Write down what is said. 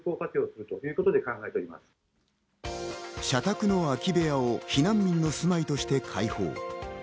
社宅の空き部屋を避難民の住まいとして開放。